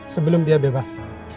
sebelum dia bebas